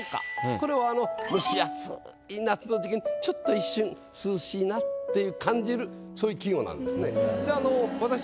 これは蒸し暑い夏の時期にちょっと一瞬涼しいなって感じるそういう季語なんですね。